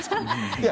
いや。